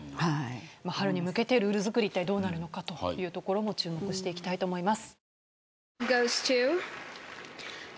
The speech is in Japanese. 春に向けてルール作りはどうなるのかというところも注目していきたいと思います。